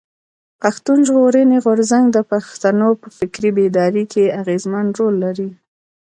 پښتون ژغورني غورځنګ د پښتنو په فکري بيداري کښي اغېزمن رول لري.